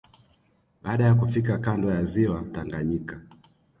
Baada ya kufika kando ya ziwa Tanganyika